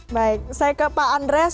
baik saya ke pak andreas